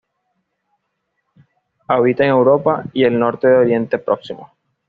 Habita en Europa y el norte de Oriente Próximo.